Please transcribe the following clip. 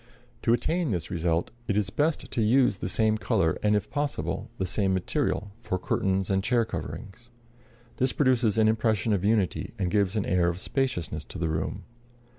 ] To attain this result, it is best to use the same color and, if possible, the same material, for curtains and chair coverings. This produces an impression of unity and gives an air of spaciousness to the room.